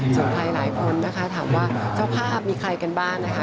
ถึงหลายคนถามว่าเจ้าภาพมีใครกันบ้างนะคะ